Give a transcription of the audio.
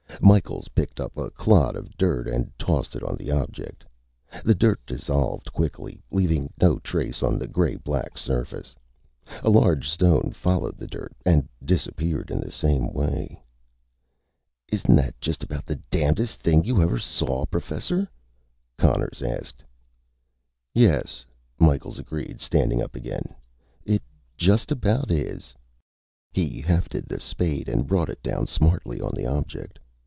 Micheals picked up a clod of dirt and tossed it on the object. The dirt dissolved quickly, leaving no trace on the gray black surface. A large stone followed the dirt, and disappeared in the same way. "Isn't that just about the damnedest thing you ever saw, Professor?" Conners asked. "Yes," Micheals agreed, standing up again. "It just about is." He hefted the spade and brought it down smartly on the object.